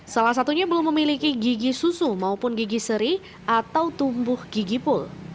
salah satunya belum memiliki gigi susu maupun gigi seri atau tumbuh gigi pul